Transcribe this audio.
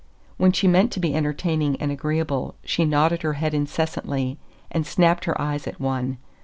When she meant to be entertaining and agreeable, she nodded her head incessantly and snapped her eyes at one.